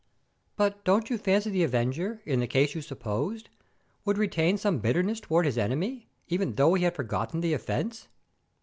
"But don't you fancy the avenger, in the case you supposed, would retain some bitterness towards his enemy, even though he had forgotten the offence?"